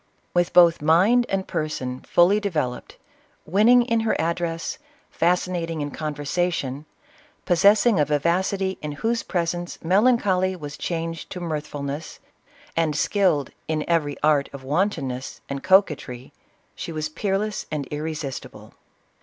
With both mind and person fully developed, winning in her address, fascinating in conversation, possessing a vivacity in whose presence melancholy was changed to mirthfulness, and skilled " in every art of wanton ness" and coquetry, she was peerless and irresistible.